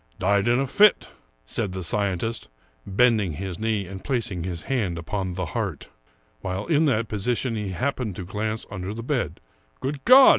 Died in a fit," said the scientist, bending his knee and placing his hand upon the heart. While in that position he no Ambrose Bierce happened to glance under the bed. " Good God